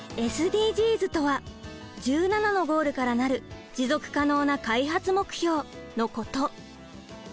ＳＤＧｓとは１７のゴールから成る持続可能な開発目標のこと。